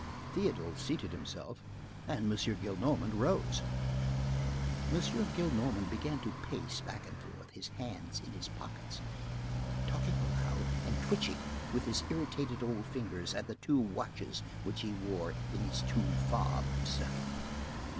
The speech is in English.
Théodule seated himself, and M. Gillenormand rose. M. Gillenormand began to pace back and forth, his hands in his pockets, talking aloud, and twitching, with his irritated old fingers, at the two watches which he wore in his two fobs.